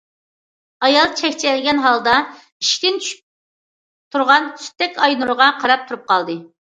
ئايال چەكچەيگەن ھالدا ئىشىكتىن چۈشۈپ تۇرغان سۈتتەك ئاي نۇرىغا قاراپ تۇرۇپ قالدى.